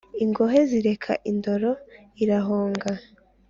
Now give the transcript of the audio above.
ingohe zireka indoro irahonga